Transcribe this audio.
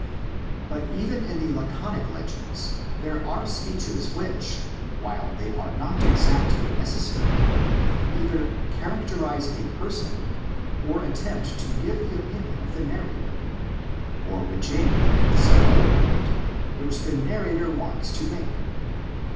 But even in the laconic legends there are speeches which, while they are not exactly neces sary, either characterise a person or attempt to give the opinion of the narrator, or which aim at some other point which the narrator wants to make.